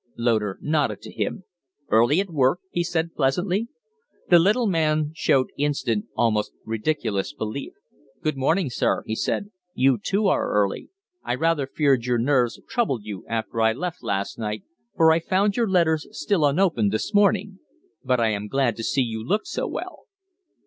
Loder nodded to him. "Early at work?" he said, pleasantly. The little man showed instant, almost ridiculous relief. "Good morning, sir," he said; "you too are early. I rather feared your nerves troubled you after I left last night, for I found your letters still unopened this morning. But I am glad to see you look so well."